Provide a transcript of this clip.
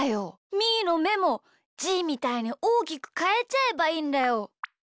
みーのめもじーみたいにおおきくかえちゃえばいいんだよ。